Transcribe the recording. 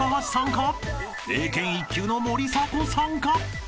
［英検１級の森迫さんか？］